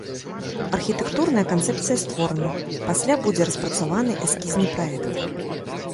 Архітэктурная канцэпцыя створана, пасля будзе распрацаваны эскізны праект.